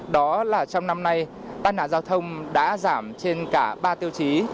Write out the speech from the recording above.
đó là trong năm nay tai nạn giao thông đã giảm trên cả ba tiêu chí